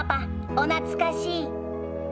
お懐かしい。